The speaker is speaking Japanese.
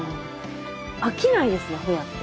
飽きないですねホヤって。